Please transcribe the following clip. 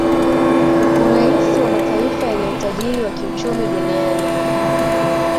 urahisi wa mataifa yenye utajiri wa kiuchumi duniani